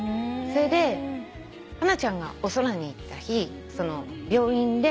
それでハナちゃんがお空にいった日病院で。